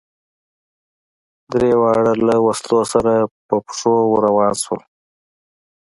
درېواړه له وسلو سره په پښو ور روان شول.